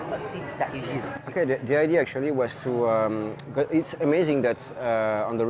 anda menjelaskan apa jenis minuman atau minuman yang anda gunakan